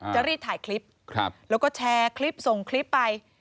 จะรีบถ่ายคลิปแล้วก็แชร์คลิปส่งคลิปไป